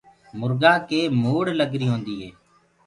مرگآ ڪي موڙ لگري هوندي هي۔